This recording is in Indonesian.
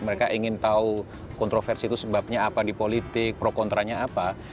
mereka ingin tahu kontroversi itu sebabnya apa di politik pro kontranya apa